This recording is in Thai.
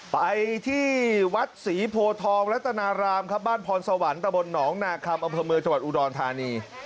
ไปที่วัดศรีโพทองรัตนารามครับบ้านพรสวรรค์ตะบลหนองนาคมอำเภอเมืองจังหวัดอุดรธานี